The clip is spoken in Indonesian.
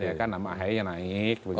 ya kan nama ahayanya naik begitu